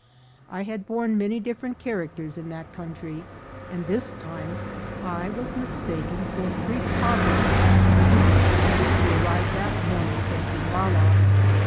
I had borne many different characters in that country, and this time I was mistaken for three padres who were expected to arrive that morning from Tumbala.